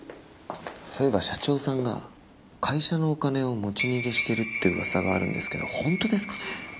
そういえば社長さんが会社のお金を持ち逃げしてるって噂があるんですけど本当ですかね？